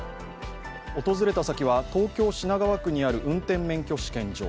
訪れた先は、東京・品川区にある運転免許試験場。